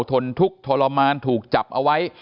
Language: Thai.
ทนทุกข์ทรมานถูกจับเอาไว้